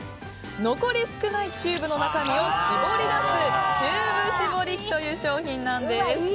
残り少ないチューブの中身を絞り出すチューブ絞り機という商品なんです。